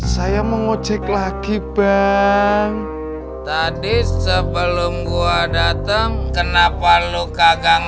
saya mau ojek lagi bang tadi sebelum gua dateng kenapa lu kagak